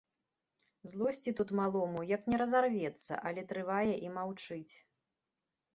Злосці тут малому, як не разарвецца, але трывае і маўчыць.